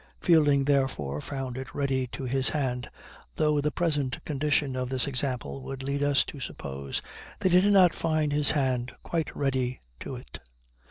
Fielding therefore found it ready to his hand, though the present condition of this example would lead us to suppose that he did not find his hand quite ready to it.